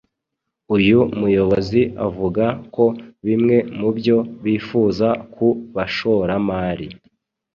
Uyu muyobozi avuga ko bimwe mubyo bifuza ku bashoramari